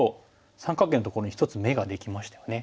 三角形のところに１つ眼ができましたよね。